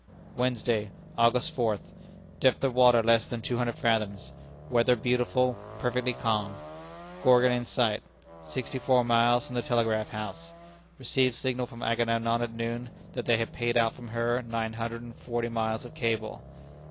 "Wednesday, August fourth. Depth of water less than two hundred fathoms. Weather beautiful, perfectly calm. Gorgon in sight. Sixty four miles from the telegraph house. Received signal from Agamemnon at noon that they had paid out from her nine hundred and forty miles of cable.